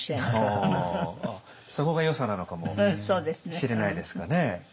そこがよさなのかもしれないですかね。